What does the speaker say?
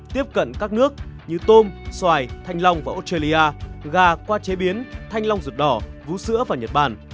tiếp cận các nước như tôm xoài thanh long và australia gà qua chế biến thanh long ruột đỏ vú sữa và nhật bản